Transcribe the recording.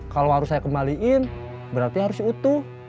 kalau harus saya kembaliin berarti harus utuh